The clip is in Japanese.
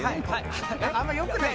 あんまよくない。